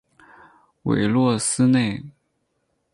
韦洛斯内。